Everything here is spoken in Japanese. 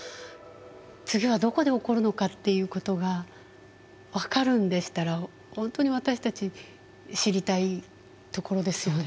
次はどこで起こるのかっていうことが分かるんでしたら本当に私たち知りたいところですよね。